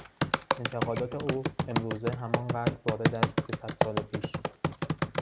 انتقادات او امروزه همانقدر وارد است که صد سال پیش.